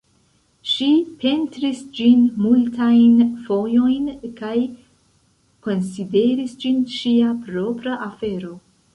Ŝi pentris ĝin multajn fojojn kaj konsideris ĝin ŝia propra afero.